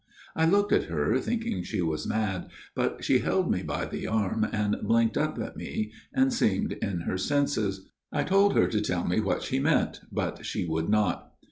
" I looked at her, thinking she was mad, but she held me by the arm and blinked up at me, and seemed in her senses. I told her to tell me what she meant, but she would not.